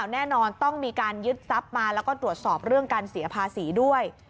แน่นอนต้องมีการยึดทรัพย์มาแล้วก็ตรวจสอบเรื่องการเสียภาษีด้วย